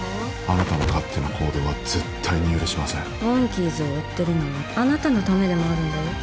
あなたの勝手な行動は絶対に許しませんモンキーズを追ってるのはあなたのためでもあるんだよ